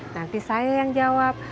nanti saya yang jawab